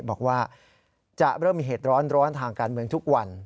บอกว่าจะเริ่มมีเหตุร้อนทางการเมืองทุกวัน